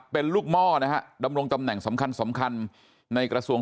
เป็นลูกหม้อดำรงตำแหน่งสำคัญในกระทรวง